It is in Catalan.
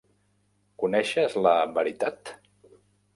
Coneixes la "Veritat"?